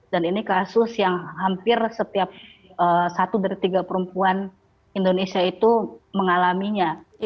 dan ini kasus yang hampir setiap satu dari tiga perempuan indonesia itu mengalaminya